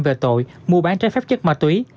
về tội mua bán trái phép chất ma túy